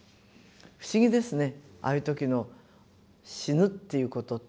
不思議ですねああいう時の死ぬっていうことっていうのは。